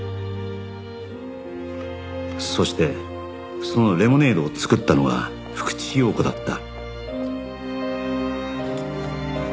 そしてそのレモネードを作ったのが福地陽子だった